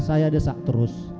saya desak terus